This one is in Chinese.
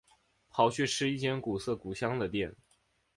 跑去吃一间古色古香的店